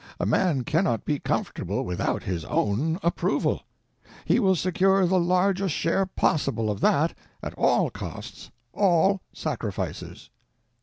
A man cannot be comfortable without his own approval. He will secure the largest share possible of that, at all costs, all sacrifices.